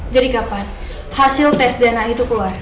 jadi kapan hasil tes dna itu keluar